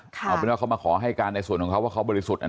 เอาเป็นว่าเขามาขอให้การในส่วนของเขาว่าเขาบริสุทธิ์